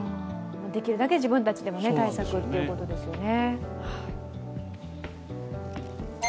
できるだけ自分たちでも対策っていうことですよね。